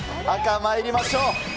赤、まいりましょう。